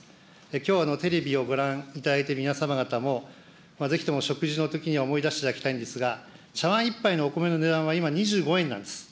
きょうはテレビをご覧いただいている皆様方も、ぜひとも食事のときには思い出していただきたいんですが、茶わん１杯のお米の値段は今２５円なんです。